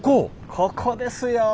ここですよ！